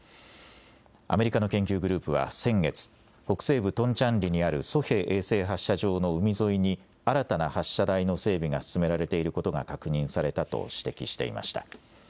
アメリカの研究グループは先月北西部トンチャンリにあるソヘ衛星発射場の海沿いに新たな発射台の整備が進められていることが確認されたと指摘していました。